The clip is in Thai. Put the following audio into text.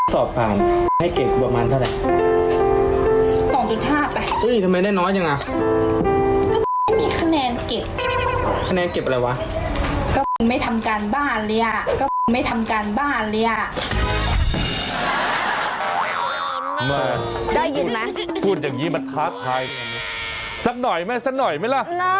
สักหน่อยไหมสักหน่อยไหมล่ะ